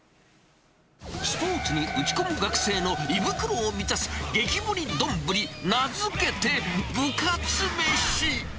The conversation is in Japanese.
スポーツに打ち込む学生の胃袋を満たす激盛り丼、名付けて、部活めし。